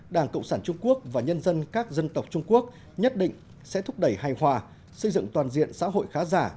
đảng cộng sản trung quốc và nhân dân các dân tộc trung quốc nhất định sẽ thúc đẩy hài hòa xây dựng toàn diện xã hội khá giả